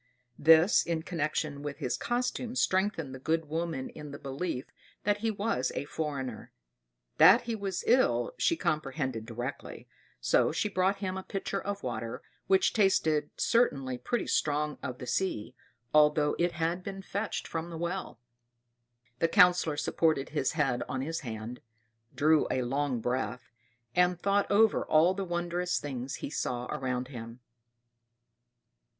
This, in connection with his costume, strengthened the good woman in the belief that he was a foreigner. That he was ill, she comprehended directly; so she brought him a pitcher of water, which tasted certainly pretty strong of the sea, although it had been fetched from the well. The Councillor supported his head on his hand, drew a long breath, and thought over all the wondrous things he saw around him.